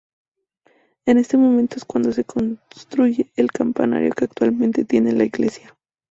En este momento es cuando se construye el campanario que actualmente tiene la iglesia.